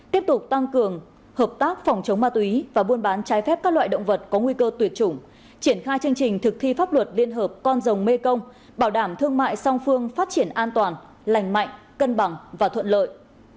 tiếp tục tăng cường hợp tác phòng chống ma túy và buôn bán trái phép các loại động vật có nguy cơ tuyệt chủng triển khai chương trình thực thi pháp luật liên hợp con rồng mê công bảo đảm thương mại song phương phát triển an toàn lành mạnh cân bằng và thuận lợi